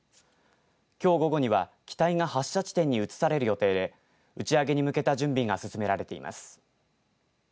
きょう午後には機体が発射地点に移される予定で打ち上げに向けた準備が進められています。